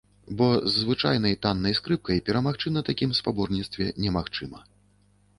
Бо з звычайнай таннай скрыпкай перамагчы на такім спаборніцтве немагчыма.